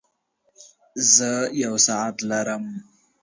زۀ يو ساعت لرم.